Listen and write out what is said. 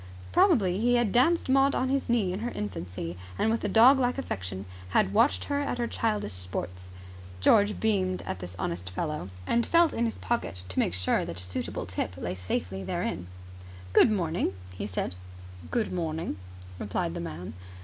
Probably he had danced Maud on his knee in her infancy, and with a dog like affection had watched her at her childish sports. George beamed at the honest fellow, and felt in his pocket to make sure that a suitable tip lay safely therein. "Good morning," he said. "Good morning," replied the man.